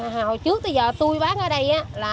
hồi trước tới giờ tôi bán ở đây